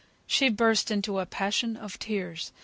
She burst into a passion of tears.